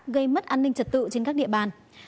gây mất an ninh trật tự trên các địa bàn